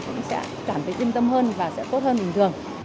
cũng sẽ cảm thấy yên tâm hơn và sẽ tốt hơn bình thường